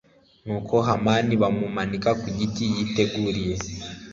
Nuko Hamani bamumanika ku giti yiteguriye